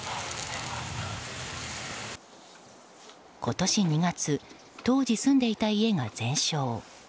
今年２月当時住んでいた家が全焼。